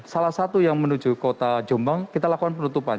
salah satu yang menuju kota jombang kita lakukan penutupan